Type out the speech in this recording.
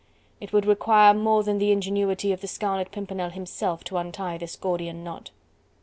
It would require more than the ingenuity of the Scarlet Pimpernel himself to untie this Gordian knot.